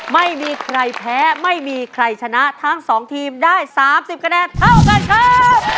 ไม่มีใครแพ้ไม่มีใครชนะทั้ง๒ทีมได้๓๐คะแนนเท่ากันครับ